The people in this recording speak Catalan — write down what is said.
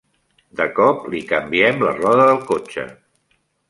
De cop li canviem la roda del cotxe.